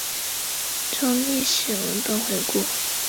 从历史文本回顾